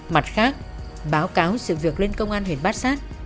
mặt khác báo cáo sự việc lên công an huyện bát sát